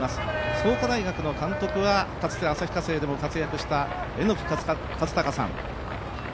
創価大学の監督はかつて旭化成でも活躍した榎木和貴さん。